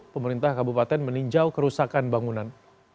pemerintah kabupaten meninjau kerusakan bangunan